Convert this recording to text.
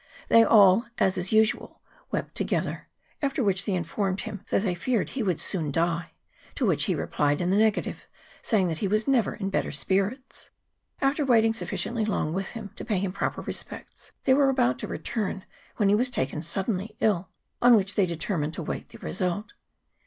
They all, as is usual, wept together ; after which they informed him that they feared he would soon die: to which he replied in the negative, saying he never was in better spirits. After waiting sufficiently long with him to pay him proper respects, they were about to return, when he was taken suddenly ill, on which they determined to wait the result.